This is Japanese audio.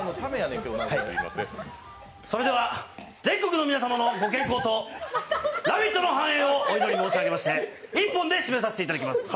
それでは、全国の皆様のご健康と「ラヴィット！」の繁栄をお祈り申しあげまして一本で締めさせていただきます。